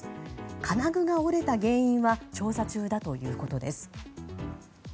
金具が折れた原因は調査中だということです。